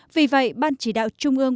vì vậy ban chỉ đạo trung ương